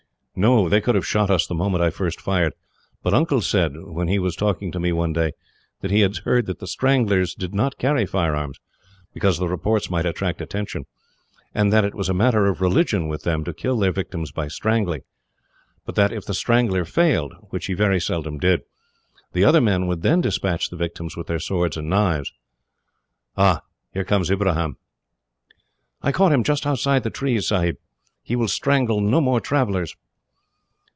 "No; they could have shot us the moment I first fired. But Uncle said, when he was talking to me one day, that he had heard that the Stranglers did not carry firearms, because the reports might attract attention; and that it was a matter of religion, with them, to kill their victims by strangling; but that if the Strangler failed, which he very seldom did, the other men would then despatch the victims with their swords and knives. "Ah! here comes Ibrahim." "I caught him just outside the trees, Sahib. He will strangle no more travellers."